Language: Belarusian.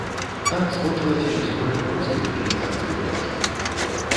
Так скончылася гісторыя польскай эмігранцкай пошты.